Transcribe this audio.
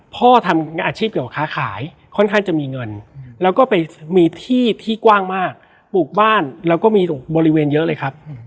พ่อทำอาชีพเกี่ยวกับค้าขายค่อนข้างจะมีเงินแล้วก็ไปมีที่ที่กว้างมากปลูกบ้านแล้วก็มีบริเวณเยอะเลยครับ